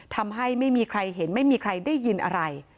ทำให้ไม่มีใครเห็นไม่มีใครได้ยินอะไร